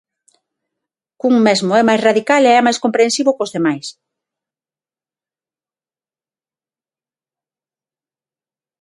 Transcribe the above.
Cun mesmo é máis radical e é máis comprensivo cos demais.